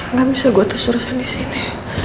nggak bisa gue terus terusan di sini